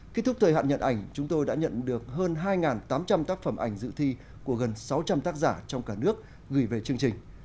kết thúc thời hạn nhận ảnh chúng tôi đã nhận được hơn hai tám trăm linh tác phẩm ảnh dự thi của gần sáu trăm linh tác giả trong cả nước gửi về chương trình